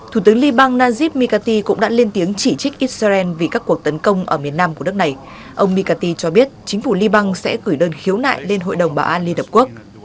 thủ tướng liban najib mikati cũng đã lên tiếng chỉ trích israel vì các cuộc tấn công ở miền nam của đất này ông mikati cho biết chính phủ liban sẽ gửi đơn khiếu nại lên hội đồng bảo an liên hợp quốc